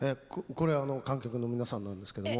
これ観客の皆さんなんですけども。